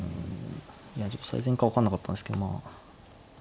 いやちょっと最善か分かんなかったんすけどまあ。